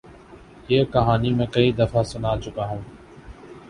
یہ کہانی میں کئی دفعہ سنا چکا ہوں۔